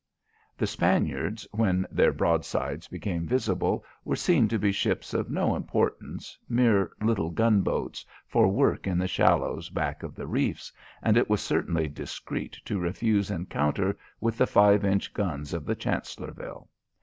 The Spaniards when their broadsides became visible were seen to be ships of no importance, mere little gunboats for work in the shallows back of the reefs, and it was certainly discreet to refuse encounter with the five inch guns of the Chancellorville.